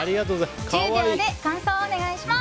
１０秒で感想をお願いします。